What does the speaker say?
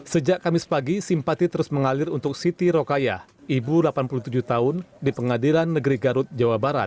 sejak kamis pagi simpati terus mengalir untuk siti rokayah ibu delapan puluh tujuh tahun di pengadilan negeri garut jawa barat